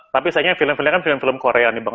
tapi sayangnya film filmnya kan film film korea nih bang